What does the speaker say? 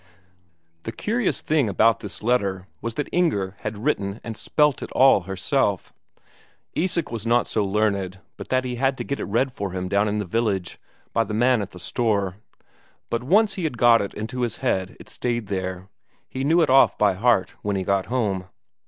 The curious thing about this letter was that Inger had written and spelt it all herself. Isak was not so learned but that he had to get it read for him down in the village, by the man at the store; but once he had got it into his head it stayed there; he knew it off by heart when he got home.